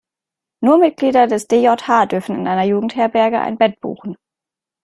Nur Mitglieder des DJH dürfen in der Jugendherberge ein Bett buchen.